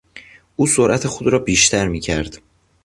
او سرعت خود را بیشتر میکرد.